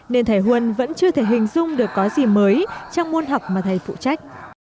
nên thầy huân vẫn chưa thể hình dung được có gì mới trong môn học mà thầy phụ trách